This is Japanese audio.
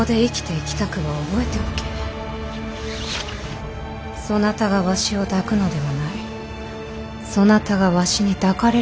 そなたがわしを抱くのではないそなたがわしに抱かれるのじゃ。